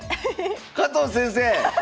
⁉加藤先生！